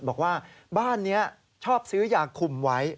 บอกว่าบ้านนี้ชอบซื้อยาคุมไว้